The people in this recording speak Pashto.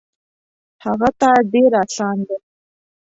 هغه ته ډېر اسان دی.